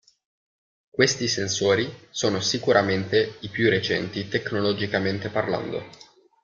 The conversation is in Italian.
Questi sensori sono sicuramente i più recenti tecnologicamente parlando.